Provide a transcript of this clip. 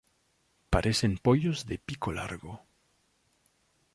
Parecen pollos de pico largo.